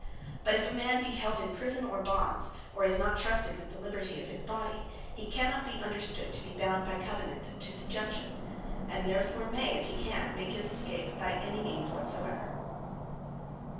But if a man be held in prison, or bonds, or is not trusted with the libertie of his bodie; he cannot be understood to be bound by Covenant to subjection; and therefore may, if he can, make his escape by any means whatsoever.